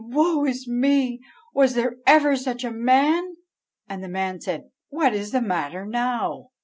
woe is me! was there ever such a man?' And the man said, 'What is the matter now?'